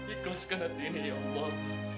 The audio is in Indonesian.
ikhlaskan hati ini ya allah